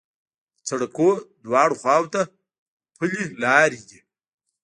د سړکونو دواړو خواوو ته پلي لارې دي.